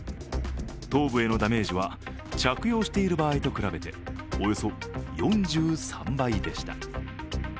頭部へのダメージは着用している場合と比べて、およそ４３倍でした。